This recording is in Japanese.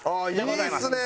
いいですね！